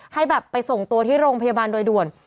ให้แบบไปส่งตัวที่โรงพยาบาลโดยด่วน